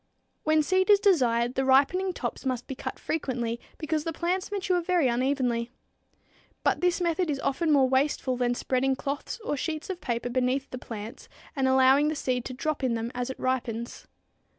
When seed is desired, the ripening tops must be cut frequently, because the plants mature very unevenly. But this method is often more wasteful than spreading cloths or sheets of paper beneath the plants and allowing the seed to drop in them as it ripens.